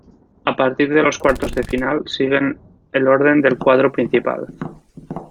A partir de los cuartos de final, siguen el orden del cuadro principal.